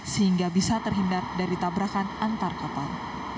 sehingga bisa terhindar dari tabrakan antar kapal